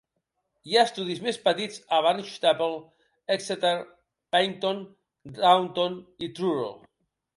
Hi ha estudis més petits a Barnstaple, Exeter, Paignton, Taunton i Truro.